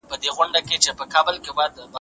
په وروسته پاته هېوادونو کي سپما کمه وي.